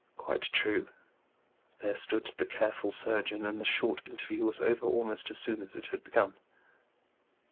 Quite true. There stood the careful surgeon, and the short interview was over almost as soon as it had begun.